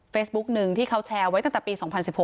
เฟซบุ๊กนึงที่เขาแชร์ไว้ตั้งแต่ปี๒๐๑๖